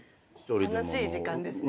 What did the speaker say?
楽しい時間ですね。